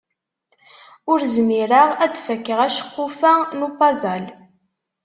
Ur zmireɣ ad d-fakkeɣ aceqquf-a n upazel.